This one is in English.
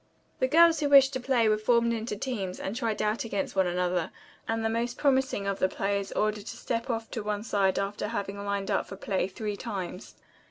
The girls who wished to play were formed into teams and tried out against one another and the most promising of the players ordered to step off to one side after having lined up for play three times.